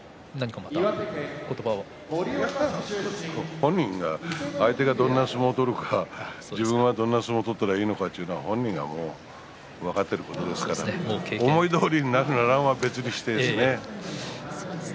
本人は相手がどんな相撲を取るのか、自分がどんな相撲を取ったらいいのかっちゅうのは本人は分かっていることですから思いどおりになるならんは別にして。